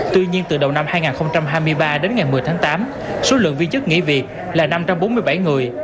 tuy nhiên từ đầu năm hai nghìn hai mươi ba đến ngày một mươi tháng tám số lượng viên chức nghỉ việc là năm trăm bốn mươi bảy người